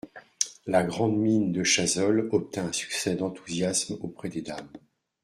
La grande mine de Chazolles obtint un succès d'enthousiasme auprès des dames.